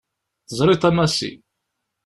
Teẓriḍ a Massi.